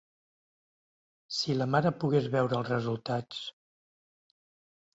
Si la mare pogués veure els resultats.